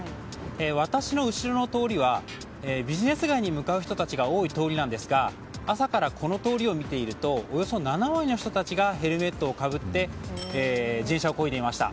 私の後ろの通りはビジネス街に向かう人が多い通りなんですが朝からこの通りを見ているとおよそ７割の人たちがヘルメットをかぶって自転車をこいでいました。